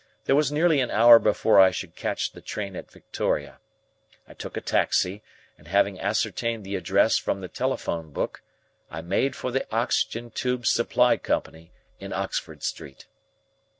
There was nearly an hour before I should catch the train at Victoria. I took a taxi, and having ascertained the address from the telephone book, I made for the Oxygen Tube Supply Company in Oxford Street.